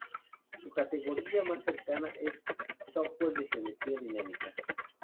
Su categoría más cercana es software de geometría dinámica.